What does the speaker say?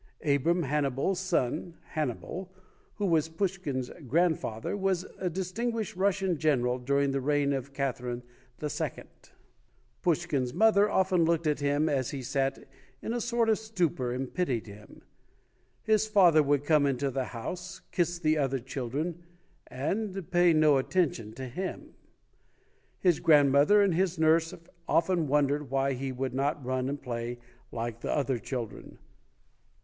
Abram Hannibal's son, Hannibal, who was Pushkin's grandfather, was a distinguished Russian general during the reign of Katherine II". Pushkin's mother often looked at him as he sat in a sort of stupor and pitied him. His father would come into the house, kiss the other children, and pay no attention to him. His grandmother and his nurse often wondered why he would not run and play like the other children.